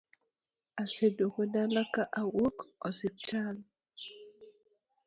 Aseduogo dala ka awuok osiptal